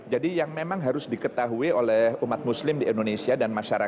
jadi yang memang harus diketahui oleh umat muslim di indonesia dan masyarakat